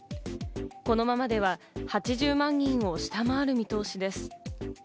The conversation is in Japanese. このままでは８０万人を下回る見通しです。